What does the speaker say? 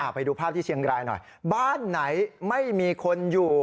ไปดูภาพที่เชียงรายหน่อยบ้านไหนไม่มีคนอยู่